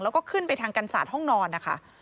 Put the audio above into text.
แล้วก็ขึ้นไปทางกันศาสตร์ห้องนอนนะคะ